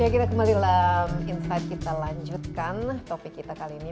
ya kita kembali dalam insight kita lanjutkan topik kita kali ini